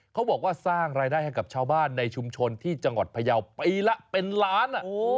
เขาบอกว่าสร้างรายได้ให้กับชาวบ้านในชุมชนที่จังหวัดพยาวปีละเป็นล้าน